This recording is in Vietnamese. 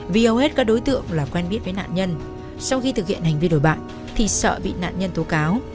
vì hầu hết các đối tượng là quen biết với nạn nhân sau khi thực hiện hành vi đổi bạc thì sợ bị nạn nhân tố cáo